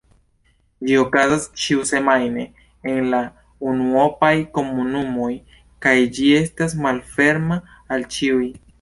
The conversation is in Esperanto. Ĝi okazas ĉiusemajne en la unuopaj komunumoj kaj ĝi estas malferma al ĉiuj.